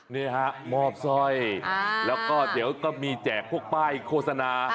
นี่ฮะมอบสร้อยแล้วก็เดี๋ยวก็มีแจกพวกป้ายโฆษณา